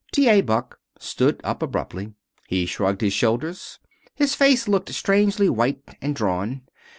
T. A. Buck stood up abruptly. He shrugged his shoulders. His face looked strangely white and drawn.